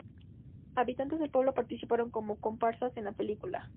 Habitantes del pueblo participaron como comparsas en la película.